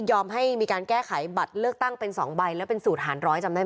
ยอมให้มีการแก้ไขบัตรเลิกตั้งเป็น๒ใบและเป็นสูตรหารร้อย